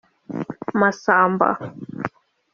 Masamba